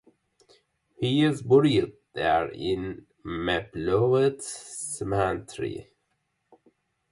He is buried there in Maplewood Cemetery.